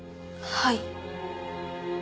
はい。